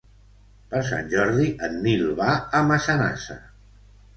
Per Sant Jordi en Nil va a Massanassa.